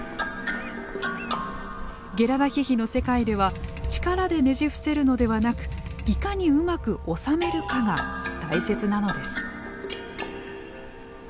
ゲラダヒヒの世界では力でねじ伏せるのではなくいかに上手くおさめるかが大切なのです。